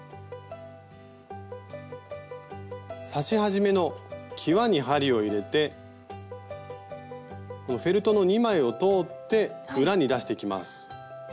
刺し始めのきわに針を入れてフェルトの２枚を通って裏に出していきます。